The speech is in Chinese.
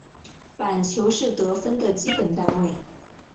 板球是得分的基本单位。